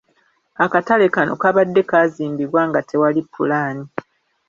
Akatale kano kabadde kaazimbibwa nga tewali pulaani.